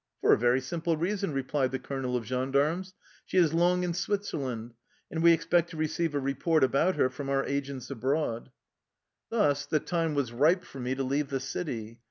''" For a very simple reason," replied the colo nel of gendarmes. " She is long in Switzerland, and we expect to receive a report about her from our agents abroad." Thus the time was ripe for me to leave the city.